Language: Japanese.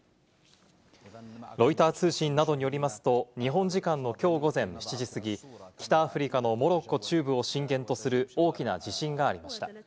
ロイター通信などによりますと、日本時間のきょう午前７時過ぎ、北アフリカのモロッコ中部を震源とする大きな地震がありました。